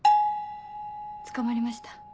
捕まりました。